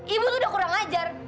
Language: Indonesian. ibu udah kurang ajar